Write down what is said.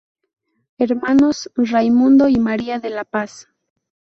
Hermanos: Raimundo y María de la Paz.